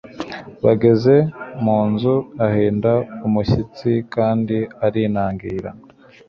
Bageze mu nzu, ahinda umushyitsi kandi arinangira